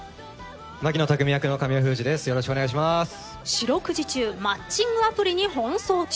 四六時中マッチングアプリに奔走中。